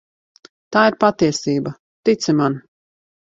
Tā ir patiesība, tici man.